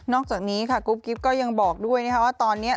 อกจากนี้ค่ะกุ๊บกิ๊บก็ยังบอกด้วยนะคะว่าตอนนี้